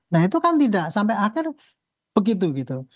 nah itu kan tidak sampai akhir begitu gitu